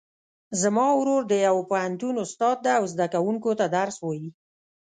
زما ورور د یو پوهنتون استاد ده او زده کوونکو ته درس وایي